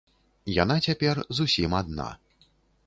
Яна цяпер зусім адна.